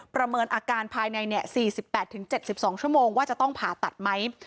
ประเมินอาการภายใน๔๘๗๒ชั่วโมงว่าจะต้องผ่าตัดไหม